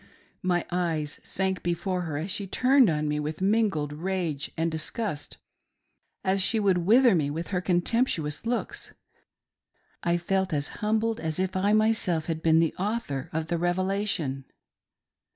My eyes sank before her as she turned on me with mingled rage and disgust, as if she would wither me with her contemptuous looks. I felt as humbled as if I myself had been the author of the Revelation.